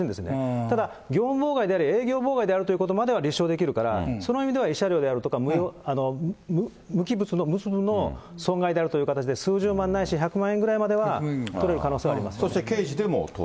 ただ、業務妨害であり、営業妨害であるということは立証できるから、その意味では慰謝料であるとか、無機物の損害であるという形で、数十万ないし、１００万ぐらそして刑事でも当然。